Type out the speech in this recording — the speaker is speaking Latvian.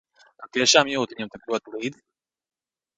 Tu tiešām jūti viņam tik ļoti līdz?